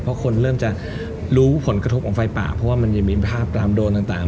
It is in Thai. เพราะคนเริ่มจะรู้ผลกระทบของไฟป่าเพราะว่ามันยังมีภาพตามโดนต่าง